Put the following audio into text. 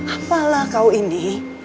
apalah kau ini